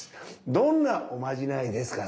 どんなおまじないですか？